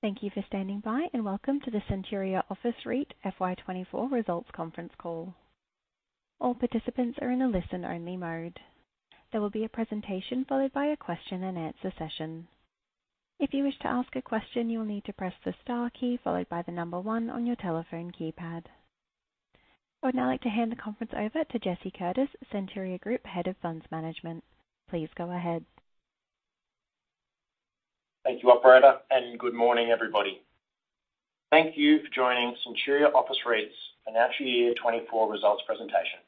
Thank you for standing by, and welcome to the Centuria Office REIT FY24 Results Conference Call. All participants are in a listen-only mode. There will be a presentation followed by a question and answer session. If you wish to ask a question, you will need to press the star key followed by the number one on your telephone keypad. I would now like to hand the conference over to Jesse Curtis, Centuria Group, Head of Funds Management. Please go ahead. Thank you, operator, and good morning, everybody. Thank you for joining Centuria Office REIT's financial year 2024 results presentation.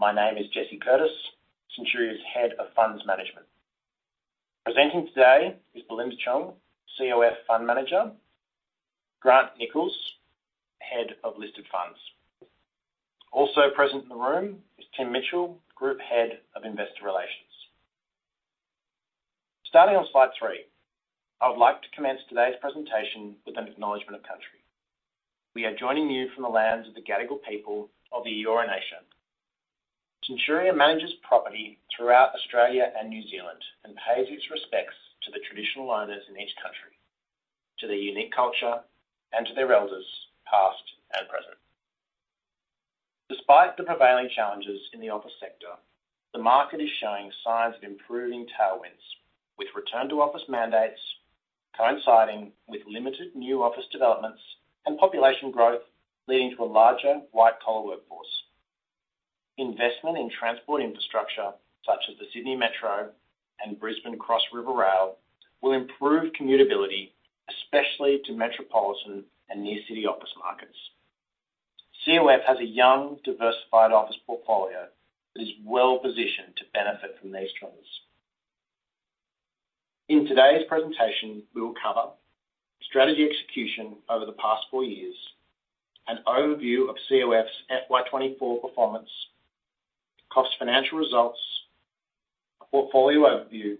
My name is Jesse Curtis, Centuria's Head of Funds Management. Presenting today is Belinda Cheung, COF Fund Manager, Grant Nichols, Head of Listed Funds. Also present in the room is Tim Mitchell, Group Head of Investor Relations. Starting on slide 3, I would like to commence today's presentation with an acknowledgment of country. We are joining you from the lands of the Gadigal people of the Eora Nation. Centuria manages property throughout Australia and New Zealand and pays its respects to the traditional owners in each country, to their unique culture, and to their elders, past and present. Despite the prevailing challenges in the office sector, the market is showing signs of improving tailwinds, with return-to-office mandates coinciding with limited new office developments and population growth, leading to a larger white-collar workforce. Investment in transport infrastructure, such as the Sydney Metro and Brisbane Cross River Rail, will improve commutability, especially to metropolitan and near city office markets. COF has a young, diversified office portfolio that is well-positioned to benefit from these trends. In today's presentation, we will cover strategy execution over the past four years, an overview of COF's FY 2024 performance, FY 2024 financial results, a portfolio overview,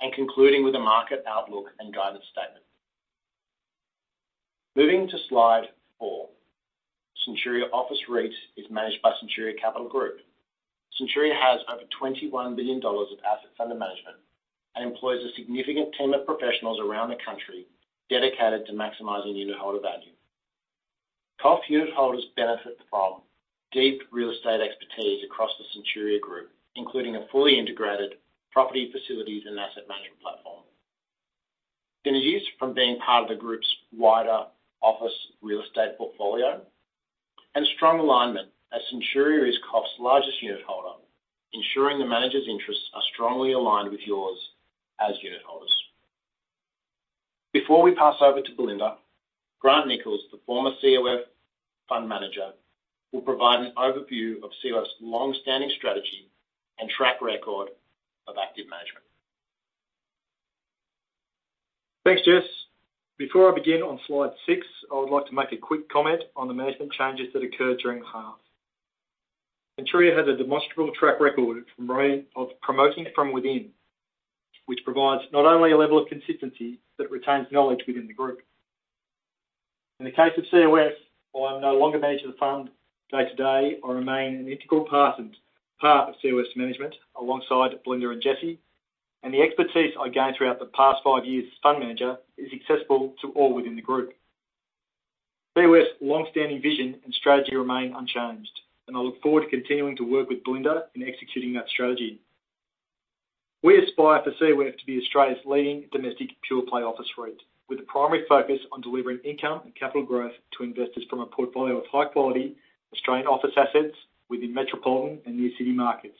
and concluding with a market outlook and guidance statement. Moving to slide 4, Centuria Office REIT is managed by Centuria Capital Group. Centuria has over 21 billion dollars of assets under management and employs a significant team of professionals around the country dedicated to maximizing unitholder value. COF unitholders benefit from deep real estate expertise across the Centuria Group, including a fully integrated property facilities and asset management platform. Synergies from being part of the group's wider office real estate portfolio and strong alignment, as Centuria is COF's largest unitholder, ensuring the manager's interests are strongly aligned with yours as unitholders. Before we pass over to Belinda, Grant Nichols, the former COF Fund Manager, will provide an overview of COF's long-standing strategy and track record of active management. Thanks, Jesse. Before I begin on slide six, I would like to make a quick comment on the management changes that occurred during the half. Centuria has a demonstrable track record of promoting from within, which provides not only a level of consistency, but retains knowledge within the group. In the case of COF, while I no longer manage the fund day-to-day, I remain an integral part of COF's management alongside Belinda and Jesse, and the expertise I gained throughout the past five years as Fund Manager is accessible to all within the group. COF's long-standing vision and strategy remain unchanged, and I look forward to continuing to work with Belinda in executing that strategy. We aspire for COF to be Australia's leading domestic pure-play office REIT, with a primary focus on delivering income and capital growth to investors from a portfolio of high-quality Australian office assets within metropolitan and new city markets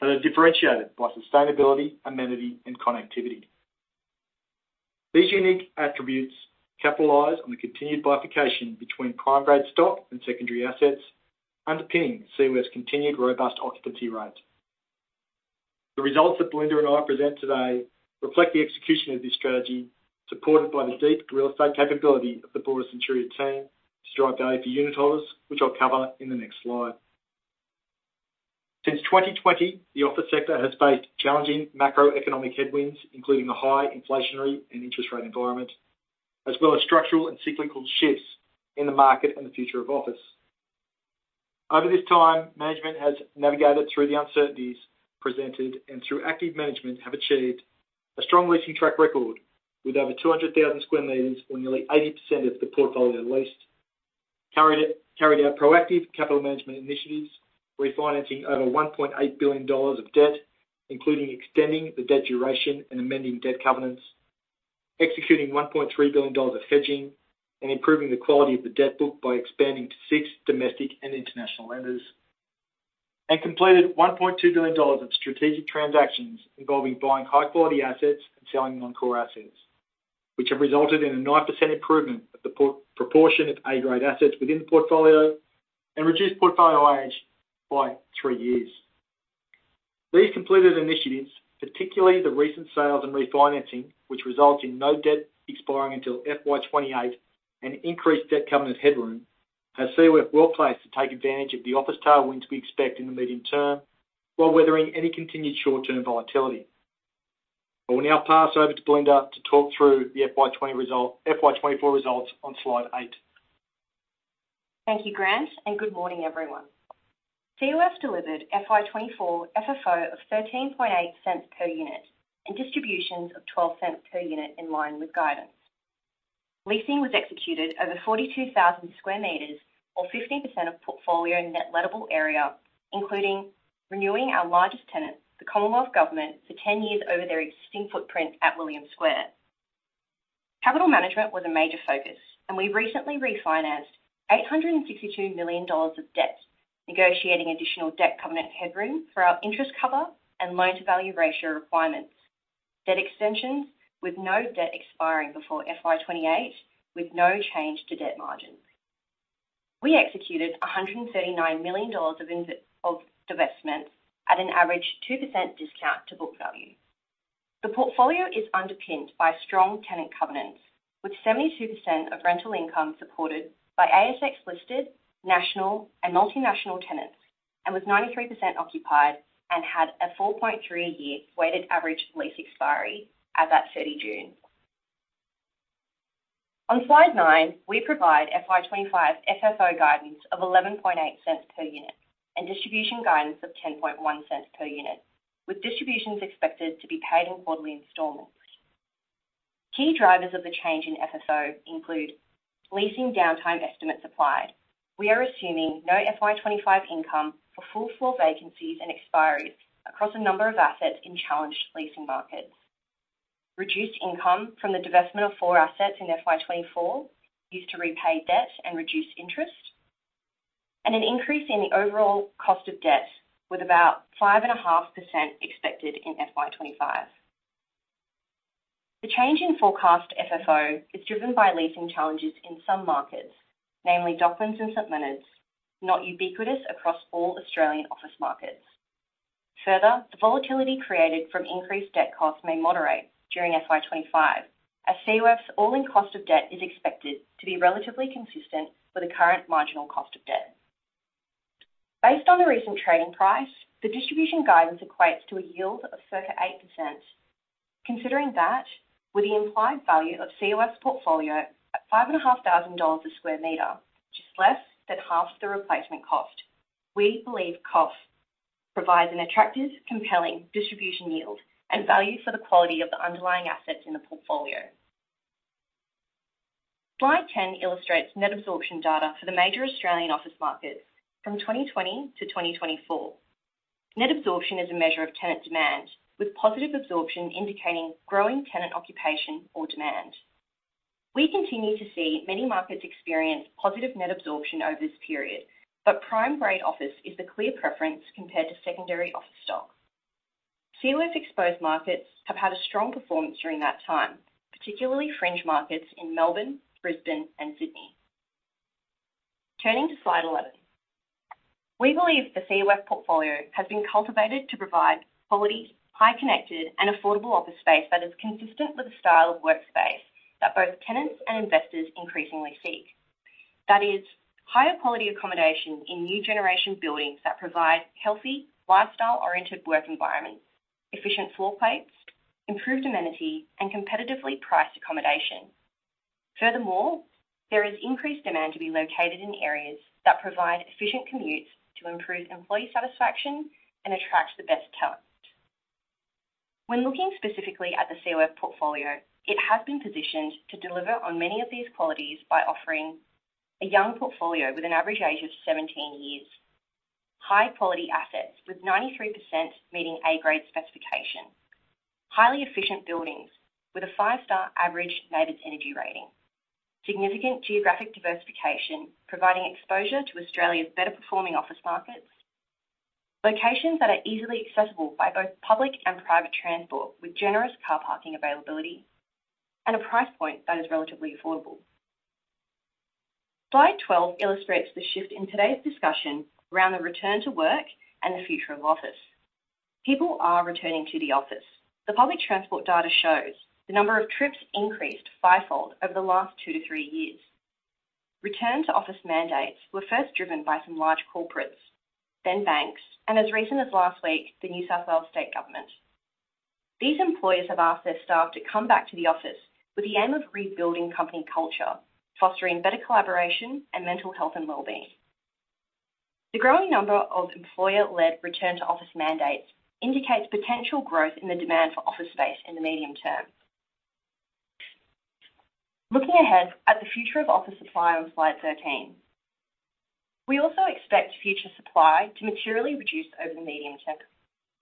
that are differentiated by sustainability, amenity, and connectivity. These unique attributes capitalize on the continued bifurcation between prime grade stock and secondary assets, underpinning COF's continued robust occupancy rates. The results that Belinda and I present today reflect the execution of this strategy, supported by the deep real estate capability of the broader Centuria team to drive value for unitholders, which I'll cover in the next slide. Since 2020, the office sector has faced challenging macroeconomic headwinds, including a high inflationary and interest rate environment, as well as structural and cyclical shifts in the market and the future of office. Over this time, management has navigated through the uncertainties presented, and through active management, have achieved a strong leasing track record with over 200,000 square meters or nearly 80% of the portfolio leased. Carried out proactive capital management initiatives, refinancing over 1.8 billion dollars of debt, including extending the debt duration and amending debt covenants, executing 1.3 billion dollars of hedging, and improving the quality of the debt book by expanding to 6 domestic and international lenders. Completed 1.2 billion dollars of strategic transactions involving buying high-quality assets and selling non-core assets, which have resulted in a 9% improvement of the proportion of A-grade assets within the portfolio and reduced portfolio age by 3 years. These completed initiatives, particularly the recent sales and refinancing, which results in no debt expiring until FY 2028 and increased debt covenant headroom, has COF well-placed to take advantage of the office tailwinds we expect in the medium term, while weathering any continued short-term volatility. I will now pass over to Belinda to talk through the FY 2020 result—FY 2024 results on slide 8. Thank you, Grant, and good morning, everyone. COF delivered FY 2024 FFO of 0.138 per unit and distributions of 0.12 per unit, in line with guidance. Leasing was executed over 42,000 sq m, or 15% of portfolio net lettable area, including renewing our largest tenant, the Commonwealth Government, for 10 years over their existing footprint at William Square. Capital management was a major focus, and we recently refinanced 862 million dollars of debt, negotiating additional debt covenant headroom for our interest cover and loan-to-value ratio requirements. Debt extensions with no debt expiring before FY 2028, with no change to debt margins. We executed 139 million dollars of divestments at an average 2% discount to book value. The portfolio is underpinned by strong tenant covenants, with 72% of rental income supported by ASX-listed, national, and multinational tenants, and with 93% occupied and had a 4.3-year weighted average lease expiry at that 30 June. On slide 9, we provide FY 2025 FFO guidance of 0.118 per unit and distribution guidance of 0.101 per unit, with distributions expected to be paid in quarterly installments. Key drivers of the change in FFO include leasing downtime estimates applied. We are assuming no FY 2025 income for full floor vacancies and expiries across a number of assets in challenged leasing markets. Reduced income from the divestment of four assets in FY 2024, used to repay debt and reduce interest, and an increase in the overall cost of debt, with about 5.5% expected in FY 2025. The change in forecast FFO is driven by leasing challenges in some markets, namely Docklands and St Leonards, not ubiquitous across all Australian office markets. Further, the volatility created from increased debt costs may moderate during FY 25, as COF's all-in cost of debt is expected to be relatively consistent with the current marginal cost of debt. Based on the recent trading price, the distribution guidance equates to a yield of circa 8%. Considering that, with the implied value of COF's portfolio at 5,500 dollars a square meter, just less than half the replacement cost, we believe cost provides an attractive, compelling distribution yield and value for the quality of the underlying assets in the portfolio. Slide 10 illustrates net absorption data for the major Australian office markets from 2020 to 2024. Net absorption is a measure of tenant demand, with positive absorption indicating growing tenant occupation or demand. We continue to see many markets experience positive net absorption over this period, but Prime Grade office is the clear preference compared to secondary office stock. COF's exposed markets have had a strong performance during that time, particularly fringe markets in Melbourne, Brisbane, and Sydney. Turning to slide 11. We believe the COF portfolio has been cultivated to provide quality, high connected, and affordable office space that is consistent with the style of workspace that both tenants and investors increasingly seek. That is, higher quality accommodation in new generation buildings that provide healthy, lifestyle-oriented work environments, efficient floor plates, improved amenity, and competitively priced accommodation. Furthermore, there is increased demand to be located in areas that provide efficient commutes to improve employee satisfaction and attract the best talent. When looking specifically at the COF portfolio, it has been positioned to deliver on many of these qualities by offering a young portfolio with an average age of 17 years. High-quality assets with 93% meeting A-grade specification. Highly efficient buildings with a 5-star average NABERS energy rating. Significant geographic diversification, providing exposure to Australia's better-performing office markets. Locations that are easily accessible by both public and private transport, with generous car parking availability, and a price point that is relatively affordable. Slide 12 illustrates the shift in today's discussion around the return to work and the future of office. People are returning to the office. The public transport data shows the number of trips increased fivefold over the last 2 to 3 years. Return to office mandates were first driven by some large corporates, then banks, and as recent as last week, the New South Wales State Government. These employers have asked their staff to come back to the office with the aim of rebuilding company culture, fostering better collaboration and mental health and well-being. The growing number of employer-led return-to-office mandates indicates potential growth in the demand for office space in the medium term. Looking ahead at the future of office supply on slide 13. We also expect future supply to materially reduce over the medium term,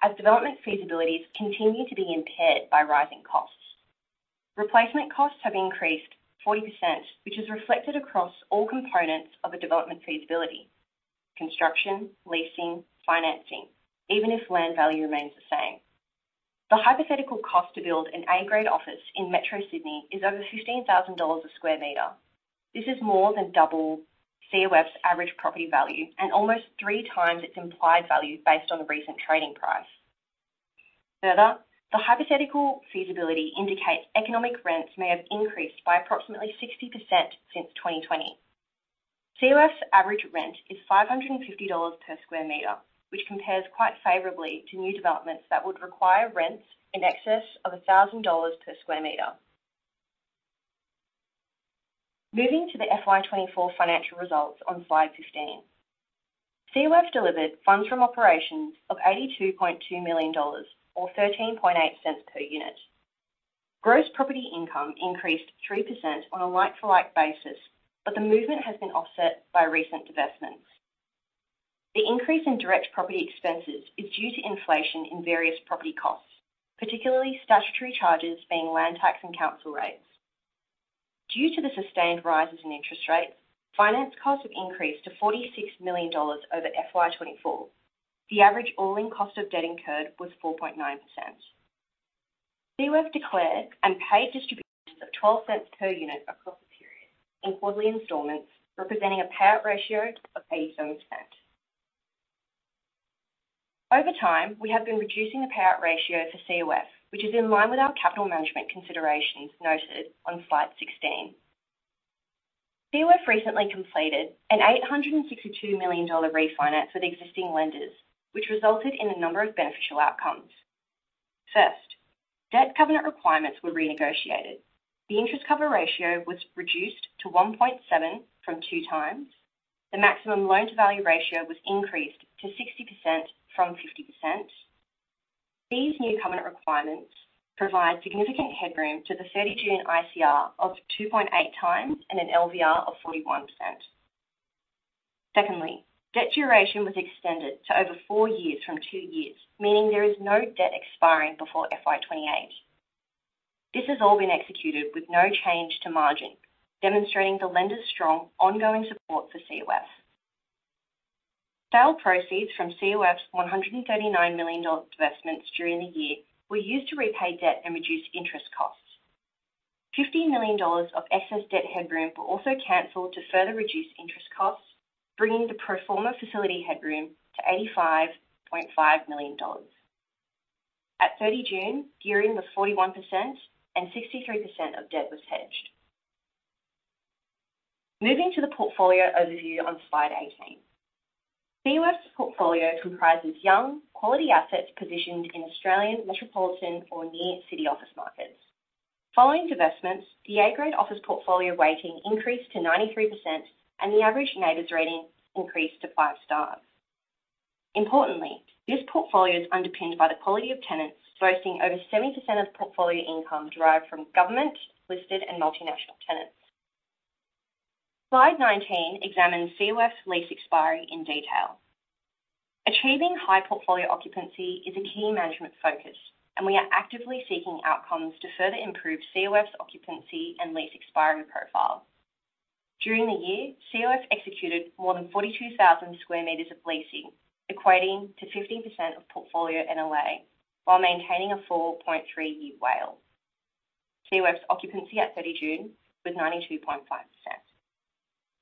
as development feasibilities continue to be impaired by rising costs. Replacement costs have increased 40%, which is reflected across all components of a development feasibility: construction, leasing, financing, even if land value remains the same. The hypothetical cost to build an A-grade office in Metro Sydney is over 15,000 dollars a square meter. This is more than double COF's average property value and almost three times its implied value based on the recent trading price. Further, the hypothetical feasibility indicates economic rents may have increased by approximately 60% since 2020. COF's average rent is 550 dollars per sq m, which compares quite favorably to new developments that would require rents in excess of 1,000 dollars per sq m.... Moving to the FY 2024 financial results on slide 15. COF delivered funds from operations of 82.2 million dollars, or 0.138 per unit. Gross property income increased 3% on a like-for-like basis, but the movement has been offset by recent divestments. The increase in direct property expenses is due to inflation in various property costs, particularly statutory charges, being land tax and council rates. Due to the sustained rises in interest rates, finance costs have increased to 46 million dollars over FY 2024. The average all-in cost of debt incurred was 4.9%. COF declared and paid distributions of 0.12 per unit across the period, in quarterly installments, representing a payout ratio of 87%. Over time, we have been reducing the payout ratio for COF, which is in line with our capital management considerations noted on slide 16. COF recently completed an 862 million dollar refinance with existing lenders, which resulted in a number of beneficial outcomes. First, debt covenant requirements were renegotiated. The interest cover ratio was reduced to 1.7 from 2 times. The maximum loan-to-value ratio was increased to 60% from 50%. These new covenant requirements provide significant headroom to the 30 June ICR of 2.8 times and an LVR of 41%. Secondly, debt duration was extended to over 4 years from 2 years, meaning there is no debt expiring before FY 2028. This has all been executed with no change to margin, demonstrating the lender's strong ongoing support for COF. Sale proceeds from COF's AUD 139 million divestments during the year were used to repay debt and reduce interest costs. AUD 50 million of excess debt headroom were also canceled to further reduce interest costs, bringing the pro forma facility headroom to 85.5 million dollars. At 30 June, gearing was 41%, and 63% of debt was hedged. Moving to the portfolio overview on slide 18. COF's portfolio comprises young, quality assets positioned in Australian metropolitan or near city office markets. Following divestments, the A-grade office portfolio weighting increased to 93%, and the average NABERS rating increased to five stars. Importantly, this portfolio is underpinned by the quality of tenants, boasting over 70% of portfolio income derived from government, listed, and multinational tenants. Slide 19 examines COF's lease expiry in detail. Achieving high portfolio occupancy is a key management focus, and we are actively seeking outcomes to further improve COF's occupancy and lease expiry profile. During the year, COF executed more than 42,000 square meters of leasing, equating to 15% of portfolio NLA, while maintaining a 4.3-year WALE. COF's occupancy at 30 June was 92.5%.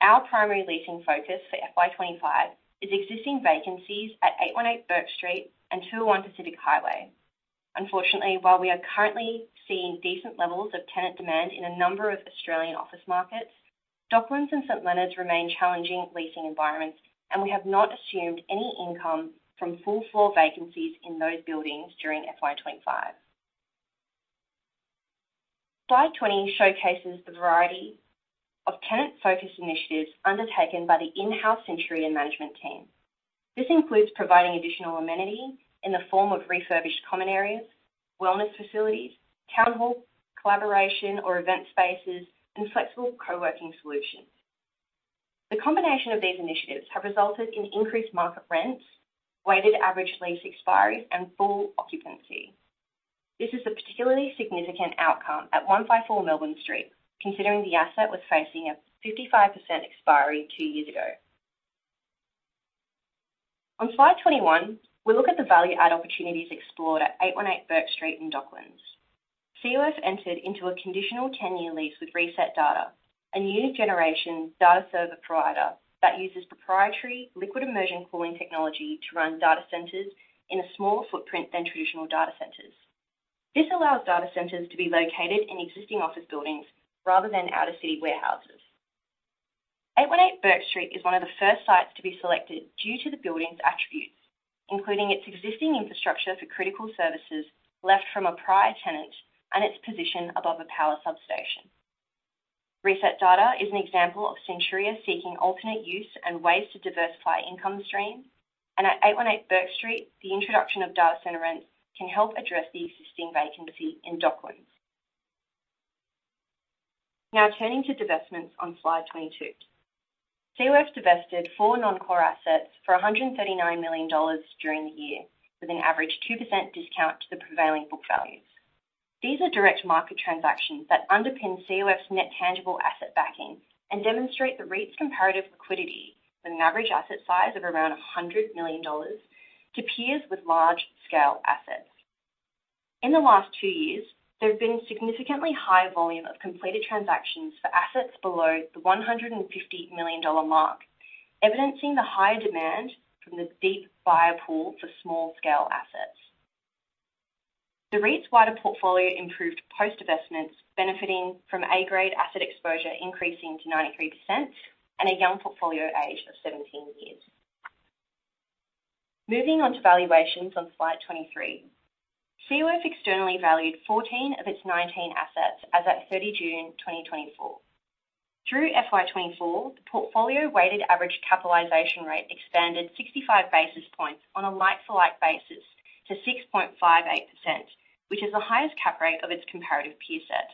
Our primary leasing focus for FY 2025 is existing vacancies at 818 Bourke Street and 201 Pacific Highway. Unfortunately, while we are currently seeing decent levels of tenant demand in a number of Australian office markets, Docklands and St Leonards remain challenging leasing environments, and we have not assumed any income from full floor vacancies in those buildings during FY 2025. Slide 20 showcases the variety of tenant-focused initiatives undertaken by the in-house Centuria management team. This includes providing additional amenity in the form of refurbished common areas, wellness facilities, town hall, collaboration or event spaces, and flexible co-working solutions. The combination of these initiatives have resulted in increased market rents, weighted average lease expiry, and full occupancy. This is a particularly significant outcome at 154 Melbourne Street, considering the asset was facing a 55% expiry two years ago. On slide 21, we look at the value add opportunities explored at 818 Bourke Street in Docklands. COF entered into a conditional 10-year lease with ResetData, a new generation data server provider that uses proprietary liquid immersion cooling technology to run data centers in a smaller footprint than traditional data centers. This allows data centers to be located in existing office buildings rather than outer city warehouses. 818 Bourke Street is one of the first sites to be selected due to the building's attributes, including its existing infrastructure for critical services left from a prior tenant and its position above a power substation. ResetData is an example of Centuria seeking alternate use and ways to diversify income streams, and at 818 Bourke Street, the introduction of data center rents can help address the existing vacancy in Docklands. Now turning to divestments on slide 22. COF divested 4 non-core assets for 139 million dollars during the year, with an average 2% discount to the prevailing book values. These are direct market transactions that underpin COF's net tangible asset backing and demonstrate the REIT's comparative liquidity with an average asset size of around 100 million dollars to peers with large-scale assets. In the last two years, there have been significantly high volume of completed transactions for assets below the 150 million dollar mark, evidencing the high demand from the deep buyer pool for small-scale assets. The REIT's wider portfolio improved post divestments, benefiting from A-grade asset exposure, increasing to 93% and a young portfolio age of 17 years.... Moving on to valuations on slide 23. COF externally valued 14 of its 19 assets as at 30 June 2024. Through FY 2024, the portfolio weighted average capitalization rate expanded 65 basis points on a like-for-like basis to 6.58%, which is the highest cap rate of its comparative peer set.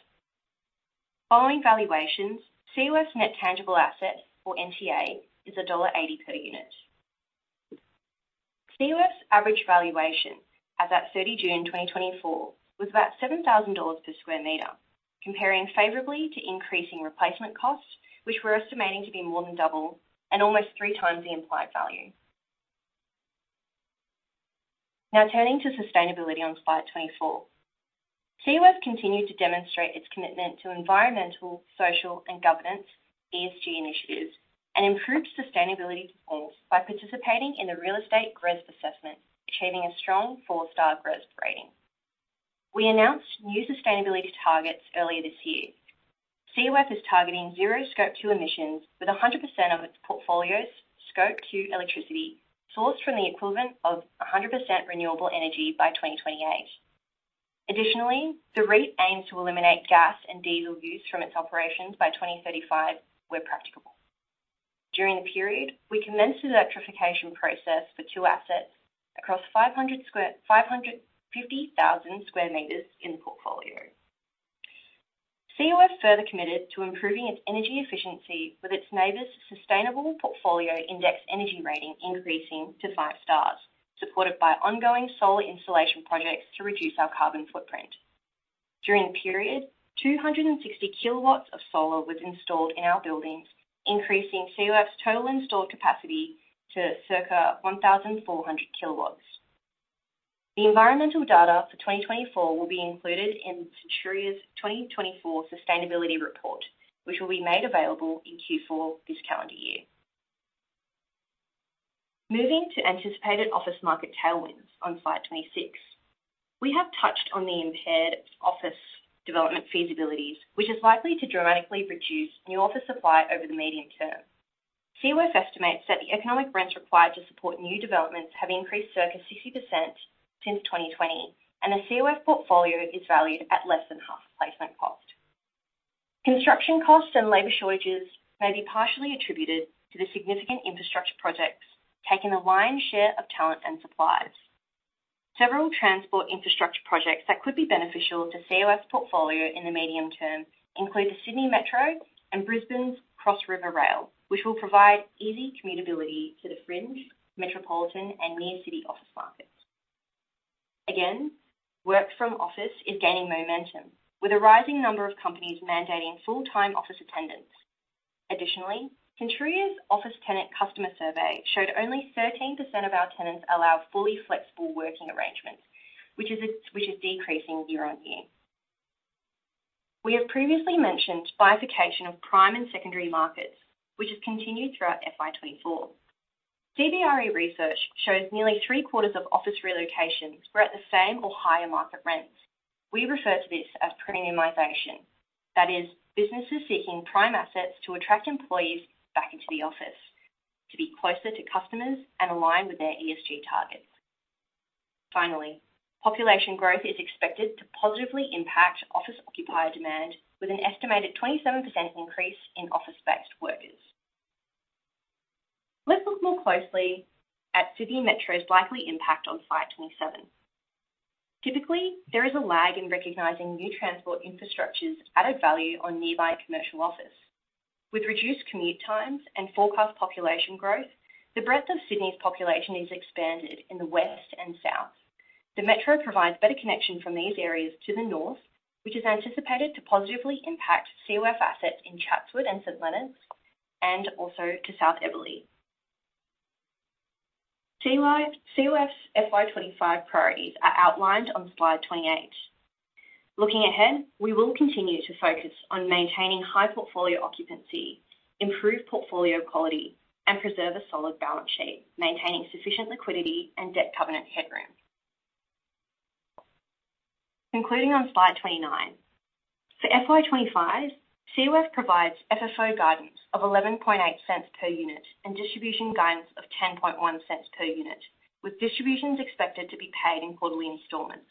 Following valuations, COF's Net Tangible Assets, or NTA, is dollar 1.80 per unit. COF's average valuation as at 30 June 2024 was about 7,000 dollars per sq m, comparing favorably to increasing replacement costs, which we're estimating to be more than double and almost three times the implied value. Now, turning to sustainability on slide 24. COF continued to demonstrate its commitment to environmental, social, and governance, ESG initiatives, and improved sustainability performance by participating in the Real Estate GRESB assessment, achieving a strong 4-star GRESB rating. We announced new sustainability targets earlier this year. COF is targeting zero Scope 2 emissions, with 100% of its portfolio's Scope 2 electricity sourced from the equivalent of 100% renewable energy by 2028. Additionally, the REIT aims to eliminate gas and diesel use from its operations by 2035, where practicable. During the period, we commenced the electrification process for two assets across 550,000 square meters in the portfolio. COF further committed to improving its energy efficiency, with its NABERS Sustainable Portfolio Index energy rating increasing to five stars, supported by ongoing solar installation projects to reduce our carbon footprint. During the period, 260 kW of solar was installed in our buildings, increasing COF's total installed capacity to circa 1,400 kW. The environmental data for 2024 will be included in Centuria's 2024 sustainability report, which will be made available in Q4 this calendar year. Moving to anticipated office market tailwinds on slide 26. We have touched on the impaired office development feasibilities, which is likely to dramatically reduce new office supply over the medium term. COF estimates that the economic rents required to support new developments have increased circa 60% since 2020, and the COF portfolio is valued at less than half replacement cost. Construction costs and labor shortages may be partially attributed to the significant infrastructure projects, taking the lion's share of talent and supplies. Several transport infrastructure projects that could be beneficial to COF's portfolio in the medium term include the Sydney Metro and Brisbane's Cross River Rail, which will provide easy commutability to the fringe, metropolitan, and near city office markets. Again, work from office is gaining momentum, with a rising number of companies mandating full-time office attendance. Additionally, Centuria's office tenant customer survey showed only 13% of our tenants allow fully flexible working arrangements, which is decreasing year on year. We have previously mentioned bifurcation of prime and secondary markets, which has continued throughout FY 2024. CBRE research shows nearly three quarters of office relocations were at the same or higher market rents. We refer to this as premiumization. That is, businesses seeking prime assets to attract employees back into the office, to be closer to customers, and align with their ESG targets. Finally, population growth is expected to positively impact office occupier demand, with an estimated 27% increase in office-based workers. Let's look more closely at Sydney Metro's likely impact on slide 27. Typically, there is a lag in recognizing new transport infrastructure's added value on nearby commercial office. With reduced commute times and forecast population growth, the breadth of Sydney's population is expanded in the west and south. The Metro provides better connection from these areas to the north, which is anticipated to positively impact COF assets in Chatswood and St Leonards, and also to South Eveleigh. COF's FY 25 priorities are outlined on slide 28. Looking ahead, we will continue to focus on maintaining high portfolio occupancy, improve portfolio quality, and preserve a solid balance sheet, maintaining sufficient liquidity and debt covenant headroom. Concluding on slide 29. For FY 25, COF provides FFO guidance of 0.118 per unit and distribution guidance of 0.101 per unit, with distributions expected to be paid in quarterly installments.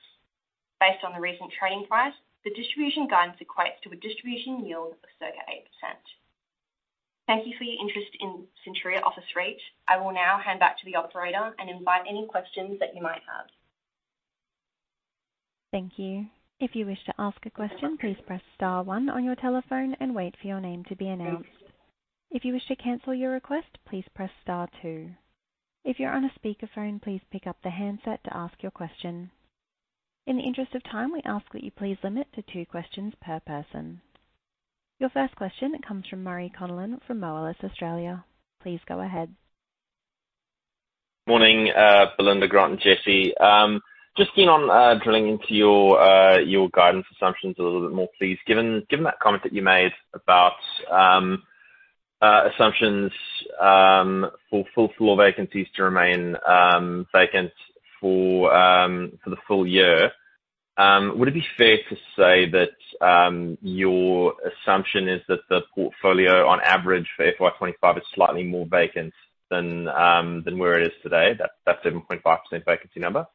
Based on the recent trading price, the distribution guidance equates to a distribution yield of circa 8%. Thank you for your interest in Centuria Office REIT. I will now hand back to the operator and invite any questions that you might have. Thank you. If you wish to ask a question, please press star one on your telephone and wait for your name to be announced. If you wish to cancel your request, please press star two. If you're on a speakerphone, please pick up the handset to ask your question. In the interest of time, we ask that you please limit to two questions per person. Your first question comes from Murray Conallin from Morgans Financial Limited. Please go ahead. Morning, Belinda, Grant, and Jesse. Just keen on drilling into your guidance assumptions a little bit more, please. Given that comment that you made about assumptions for full floor vacancies to remain vacant for the full year. Would it be fair to say that your assumption is that the portfolio, on average, for FY 25, is slightly more vacant than where it is today, that 7.5% vacancy number?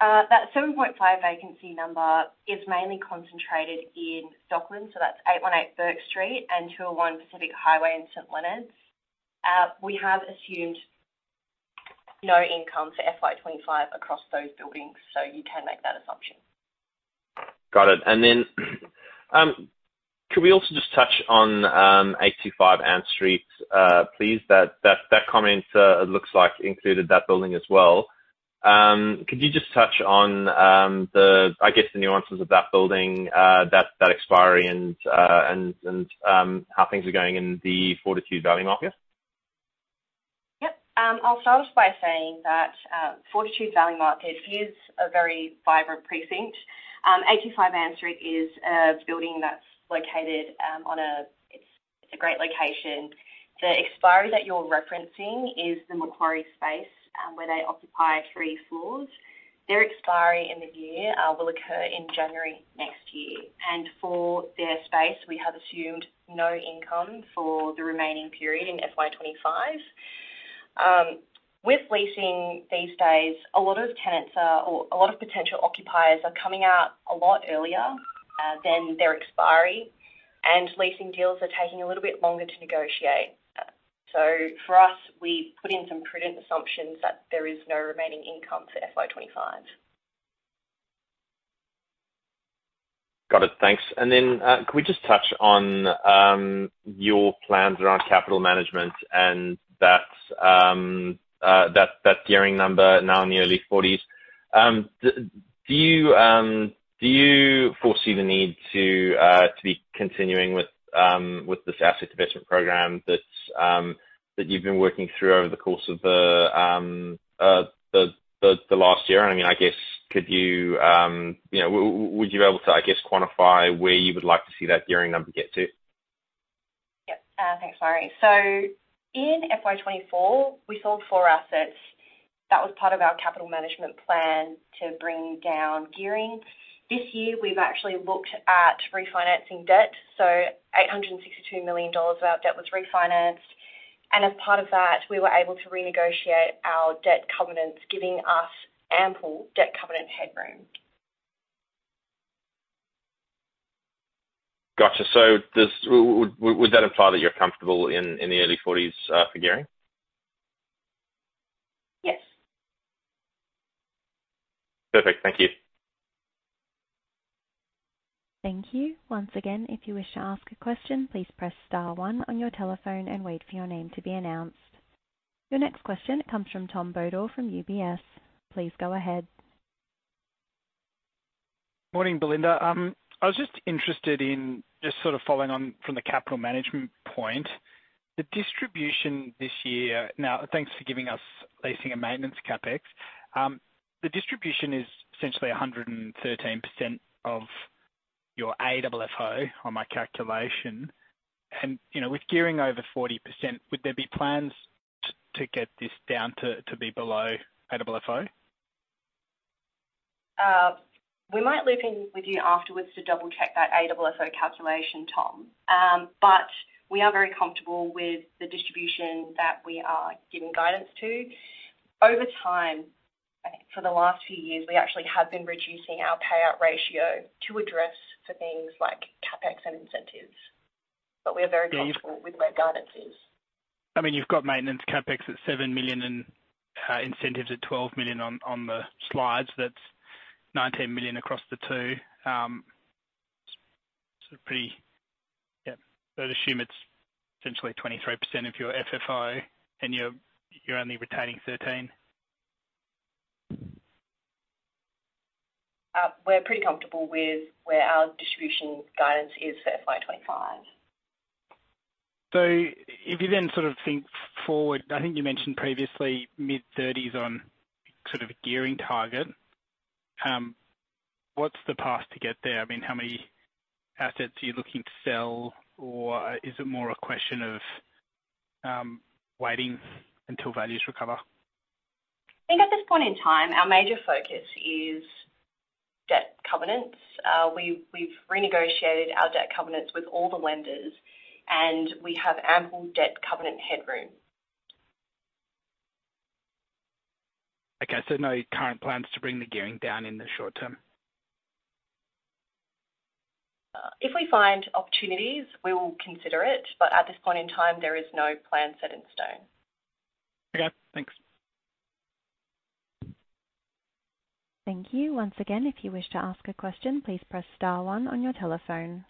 That 7.5 vacancy number is mainly concentrated in Docklands, so that's 818 Bourke Street, and 201 Pacific Highway in St Leonards. We have assumed no income for FY 2025 across those buildings, so you can make that assumption. Got it. And then, could we also just touch on 85 Ann Street, please, that comment, it looks like included that building as well. Could you just touch on the, I guess, the nuances of that building, that expiry and how things are going in the Fortitude Valley market? Yep. I'll start off by saying that, Fortitude Valley market is a very vibrant precinct. 85 Ann Street is a building that's located, it's a great location. The expiry that you're referencing is the Macquarie space, where they occupy 3 floors. Their expiry end of year, will occur in January next year, and for their space, we have assumed no income for the remaining period in FY 25. With leasing these days, a lot of tenants are, or a lot of potential occupiers are coming out a lot earlier, than their expiry, and leasing deals are taking a little bit longer to negotiate. So for us, we put in some prudent assumptions that there is no remaining income for FY 25. Got it. Thanks. And then, could we just touch on your plans around capital management and that gearing number now in the early 40s. Do you foresee the need to be continuing with this asset investment program that you've been working through over the course of the last year? And I mean, I guess, could you, you know, would you be able to, I guess, quantify where you would like to see that gearing number get to? Yep. Thanks, Murray. In FY 2024, we sold four assets. That was part of our capital management plan to bring down gearing. This year, we've actually looked at refinancing debt, so 862 million dollars of our debt was refinanced, and as part of that, we were able to renegotiate our debt covenants, giving us ample debt covenant headroom. Gotcha. So would that imply that you're comfortable in the early forties for gearing? Yes. Perfect. Thank you. Thank you. Once again, if you wish to ask a question, please press star one on your telephone and wait for your name to be announced. Your next question comes from Tom Boadle, from UBS. Please go ahead. Morning, Belinda. I was just interested in just sort of following on from the capital management point, the distribution this year... Now, thanks for giving us leasing and maintenance CapEx. The distribution is essentially 113% of your AFFO on my calculation, and, you know, with gearing over 40%, would there be plans to get this down to be below AFFO? We might loop in with you afterwards to double-check that AFFO calculation, Tom. We are very comfortable with the distribution that we are giving guidance to. Over time, for the last few years, we actually have been reducing our payout ratio to address for things like CapEx and incentives, but we are very- Yeah comfortable with where guidance is. I mean, you've got maintenance CapEx at 7 million and incentives at 12 million on the slides. That's 19 million across the two. So pretty. Yeah. So I'd assume it's essentially 23% of your FFO, and you're only retaining 13. We're pretty comfortable with where our distribution guidance is for FY 25. If you then sort of think forward, I think you mentioned previously mid-30s on sort of a gearing target. What's the path to get there? I mean, how many assets are you looking to sell, or is it more a question of waiting until values recover? I think at this point in time, our major focus is debt covenants. We've renegotiated our debt covenants with all the lenders, and we have ample debt covenant headroom. Okay. So no current plans to bring the gearing down in the short term? If we find opportunities, we will consider it, but at this point in time, there is no plan set in stone. Okay, thanks. Thank you. Once again, if you wish to ask a question, please press star one on your telephone.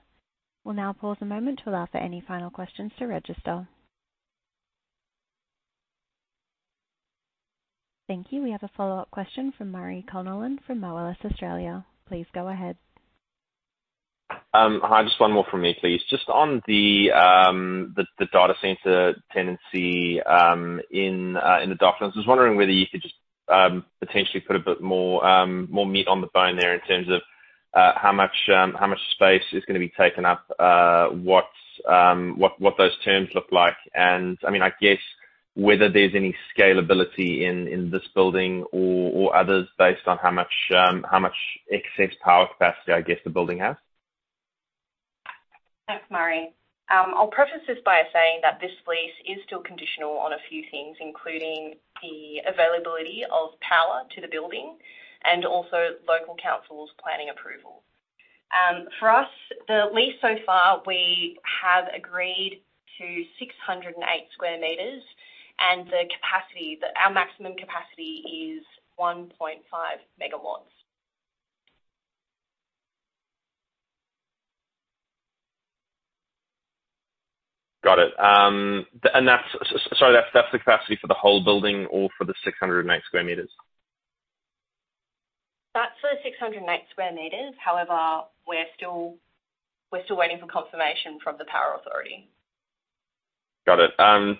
We'll now pause a moment to allow for any final questions to register. Thank you. We have a follow-up question from Murray Conallin, from Morgans Financial Limited. Please go ahead. Hi, just one more from me, please. Just on the data center tenancy in the Docklands, I was wondering whether you could just potentially put a bit more meat on the bone there in terms of how much space is going to be taken up? What those terms look like? And I mean, I guess whether there's any scalability in this building or others based on how much excess power capacity, I guess, the building has. Thanks, Murray. I'll preface this by saying that this lease is still conditional on a few things, including the availability of power to the building and also local council's planning approval. For us, the lease so far, we have agreed to 608 sq m, and the capacity, our maximum capacity is 1.5 MW. Got it. And that's, sorry, that's the capacity for the whole building or for the 608 square meters? That's for the 608 square meters. However, we're still waiting for confirmation from the power authority. Got it.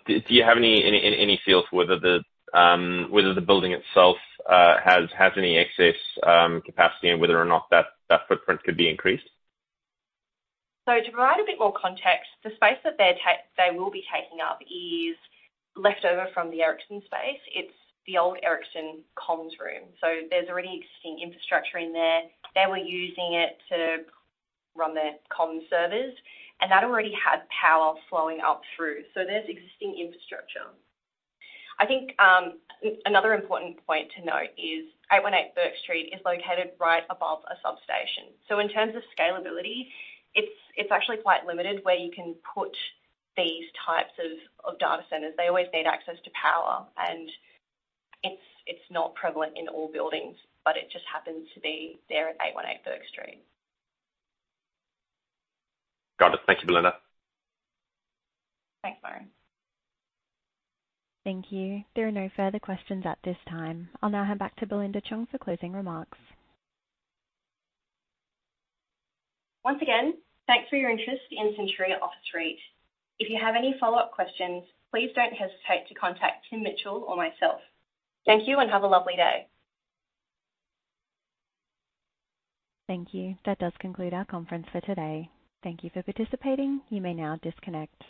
Do you have any feel for whether the building itself has any excess capacity and whether or not that footprint could be increased? So to provide a bit more context, the space that they're they will be taking up is leftover from the Ericsson space. It's the old Ericsson comms room, so there's already existing infrastructure in there. They were using it to run their comms servers, and that already had power flowing up through. So there's existing infrastructure. I think, another important point to note is 818 Bourke Street is located right above a substation. So in terms of scalability, it's, it's actually quite limited where you can put these types of, of data centers. They always need access to power, and it's, it's not prevalent in all buildings, but it just happens to be there at 818 Bourke Street. Got it. Thank you, Belinda. Thanks, Murray. Thank you. There are no further questions at this time. I'll now hand back to Belinda Cheung for closing remarks. Once again, thanks for your interest in Centuria Office REIT. If you have any follow-up questions, please don't hesitate to contact Tim Mitchell or myself. Thank you, and have a lovely day. Thank you. That does conclude our conference for today. Thank you for participating. You may now disconnect.